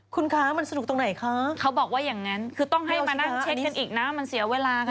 คุณคะมันสนุกตรงไหนคะเขาบอกว่าอย่างนั้นคือต้องให้มานั่งเช็คกันอีกนะมันเสียเวลาค่ะ